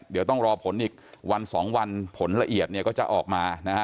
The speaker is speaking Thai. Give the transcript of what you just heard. เดี๋ยวต้องรอผลอีกวัน๒วันผลละเอียดเนี่ยก็จะออกมานะฮะ